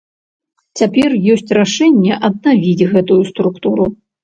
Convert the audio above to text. Цяпер ёсць рашэнне аднавіць гэтую структуру.